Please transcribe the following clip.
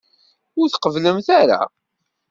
Ur tqebblemt ara.